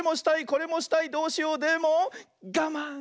これもしたいどうしようでもがまん！